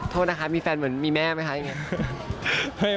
โทษนะคะมีแฟนเหมือนมีแม่ไหมคะอย่างนี้